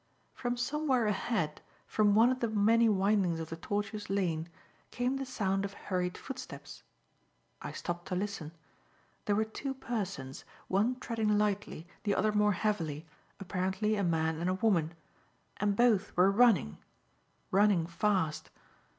From somewhere ahead, from one of the many windings of the tortuous lane, came the sound of hurried footsteps. I stopped to listen. There were two persons, one treading lightly, the other more heavily, apparently a man and a woman. And both were running running fast.